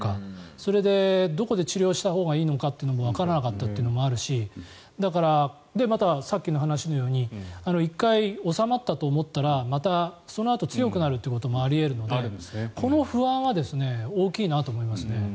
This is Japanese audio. それでどこで治療したほうがいいのかってこともわからなかったっていうのもあるしまたさっきの話のように１回収まったと思ったらまたそのあと強くなることもあり得るのでこの不安は大きいなと思いますね。